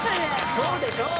そうでしょう。